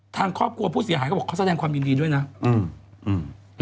ทางครอบครัวผู้เสียหายก็บอกเขาแสดงความยินดีด้วยนะอืมอืม